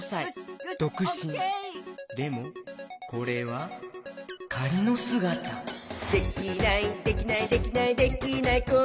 でもこれはかりのすがた「できないできないできないできない子いないか」